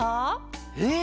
えっ！